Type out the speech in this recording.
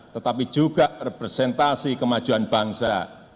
tetapi juga representasi kemajuan bangsa